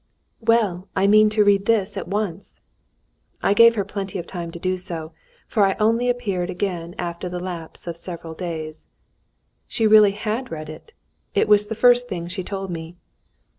"Well, I mean to read this at once." I gave her plenty of time to do so, for I only appeared again after the lapse of several days. She really had read it. It was the first thing she told me.